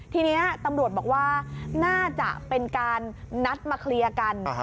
ทีนี้ตำรวจบอกว่าน่าจะเป็นการนัดมาเคลียร์กัน